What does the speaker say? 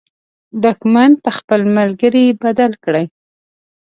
دښمن په خپل ملګري بدل کړئ.